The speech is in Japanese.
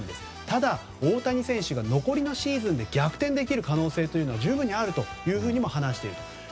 ただ、大谷選手が残りのシーズンで逆転できる可能性は十分にあると話している。